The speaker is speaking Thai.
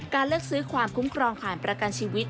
เลือกซื้อความคุ้มครองผ่านประกันชีวิต